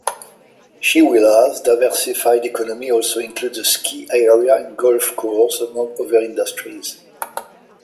Chewelah's diversified economy also includes a ski area and golf course, among other industries.